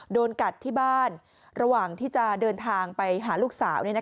โดนกัดที่บ้านระหว่างที่จะเดินทางไปหาลูกสาว